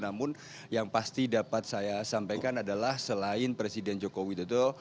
namun yang pasti dapat saya sampaikan adalah selain presiden joko widodo